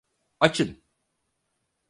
Açın.